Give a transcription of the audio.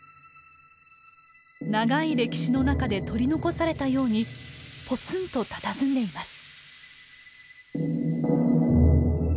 長い歴史の中で取り残されたようにぽつんとたたずんでいます。